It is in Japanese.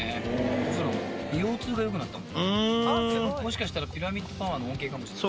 もしかしたらピラミッドパワーの恩恵かもしれない。